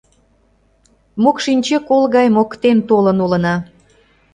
Мокшинче кол гай моктен толын улына.